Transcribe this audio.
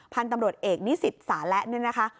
พันธุ์ตำรวจเอกนิสิตสาระเนี่ยนะคะ